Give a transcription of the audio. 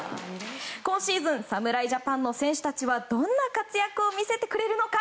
今シーズン侍ジャパンの選手たちはどんな活躍を見せてくれるのか。